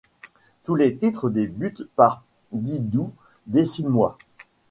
Tous les titres débutent par Didou, dessine-moi…